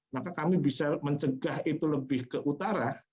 maka kami bisa mencegah itu lebih ke utara